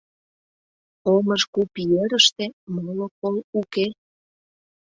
Омыж куп ерыште моло кол уке.